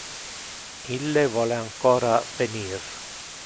Ille vole ancora venir.